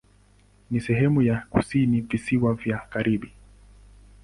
Ni sehemu ya kusini Visiwa vya Karibi.